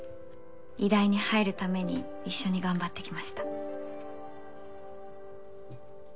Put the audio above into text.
医大に入るために一緒に頑張ってきました。